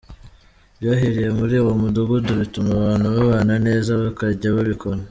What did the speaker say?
Byahereye muri uwo mudugudu bituma abantu babana neza bakajya babikora.